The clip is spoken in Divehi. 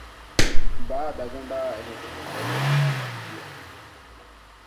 ބާދަގަނޑާއި އެހެނިހެން ތަކެތި ނީލަން ކިޔުން